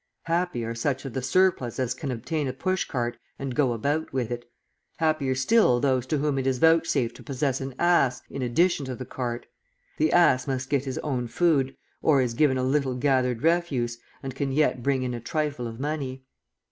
Happy are such of the "surplus" as can obtain a push cart and go about with it. Happier still those to whom it is vouchsafed to possess an ass in addition to the cart. The ass must get his own food or is given a little gathered refuse, and can yet bring in a trifle of money.